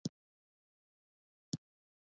مالیه د دولت د عوایدو سرچینه ده.